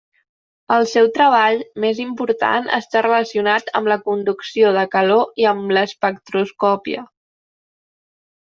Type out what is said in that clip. El seu treball més important està relacionat amb la conducció de calor i amb l'espectroscòpia.